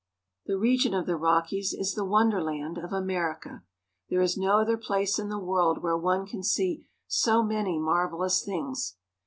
The region of the Rockies is the wonderland of America. There is no other place in the world where one can see so many marvelous things.